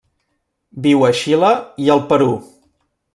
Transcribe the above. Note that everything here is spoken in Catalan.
Viu a Xile i el Perú.